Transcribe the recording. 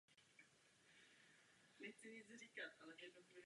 Svoje politické názory vyjadřuje prostřednictvím sociálně zaměřených staveb.